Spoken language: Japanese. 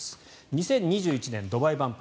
２０２１年、ドバイ万博